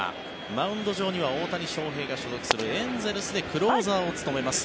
マウンド上には大谷翔平が所属するエンゼルスでクローザーを務めます